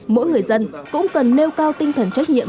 mỗi người dân cũng cần nêu cao tinh thần trách nhiệm